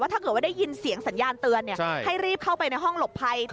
ถ้าเกิดว่าได้ยินเสียงสัญญาณเตือนให้รีบเข้าไปในห้องหลบภัย